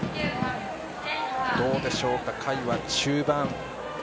どうでしょうか、回は中盤。